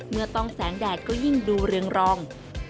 เมื่อต้องแสงแดดก็ยิ่งดูเรืองรอง